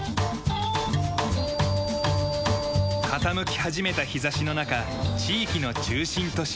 傾き始めた日差しの中地域の中心都市